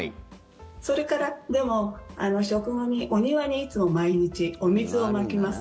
それから、でも食後にお庭にいつも毎日お水をまきます。